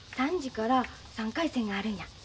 ３時から３回戦があるんや。